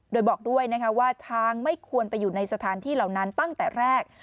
โดยบอกด้วยนะคะว่าช้างไม่ควรไปอยู่ในสถานที่เหล่านั้นตั้งแต่แรก